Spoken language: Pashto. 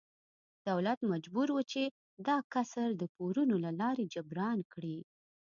دولت مجبور و چې دا کسر د پورونو له لارې جبران کړي.